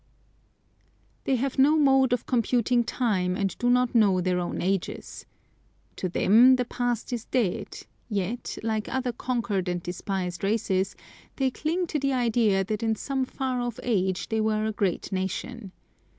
They have no mode of computing time, and do not know their own ages. To them the past is dead, yet, like other conquered and despised races, they cling to the idea that in some far off age they were a great nation.